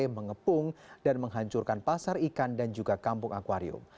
mengepung dan menghancurkan pasar ikan dan juga kampung akwarium